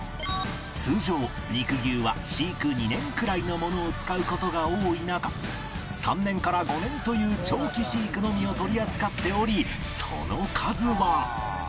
通常肉牛は飼育２年くらいのものを使う事が多い中３年から５年という長期飼育のみを取り扱っておりその数は